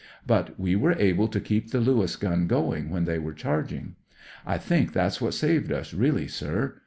But we were able to keep the Lewis gun going when they were charging. I think that's what saved us, really, sir.